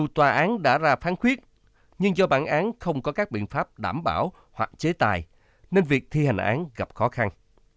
tòa án đã ra phán quyết nhưng do bản án không có các biện pháp đảm bảo hoặc chế tài nên việc thi hành án gặp khó khăn